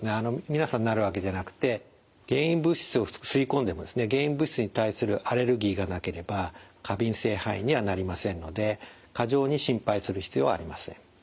皆さんなるわけじゃなくて原因物質を吸い込んでもですね原因物質に対するアレルギーがなければ過敏性肺炎にはなりませんので過剰に心配する必要はありません。